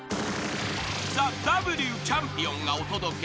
［ＴＨＥＷチャンピオンがお届け］